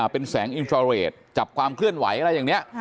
เป็นแสงอินฟราเรทจับความเคลื่อนไหวอะไรอย่างนี้